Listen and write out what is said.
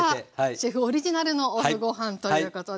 シェフオリジナルのＯＦＦごはんということですが。